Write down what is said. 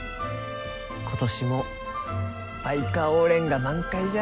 今年もバイカオウレンが満開じゃ。